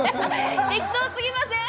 適当すぎません？